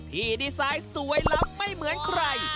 ที่ดีไซน์สวยล้ำไม่เหมือนใคร